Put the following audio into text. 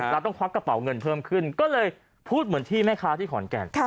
เราต้องควักกระเป๋าเงินเพิ่มขึ้นก็เลยพูดเหมือนที่แม่ค้าที่ขอนแก่น